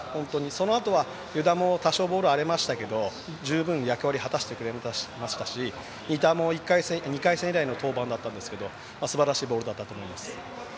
そのあとは湯田も多少ボールは荒れましたけど十分に役割を果たしてくれましたし仁田も２回戦以来の登板だったんですけれどもすばらしいボールだったと思います。